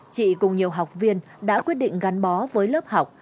chị cùng nhiều học viên đã quyết định gắn bó với lớp học